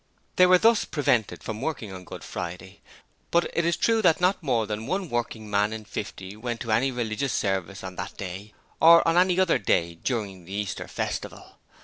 They were thus prevented from working on Good Friday, but it is true that not more than one working man in fifty went to any religious service on that day or on any other day during the Easter festival.